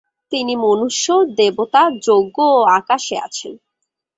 তিনি মনুষ্য, দেবতা, যজ্ঞ ও আকাশে আছেন।